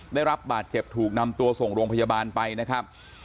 ได้รับบาดเจ็บถูกนำตัวส่งโรงพยาบาลไปนะครับ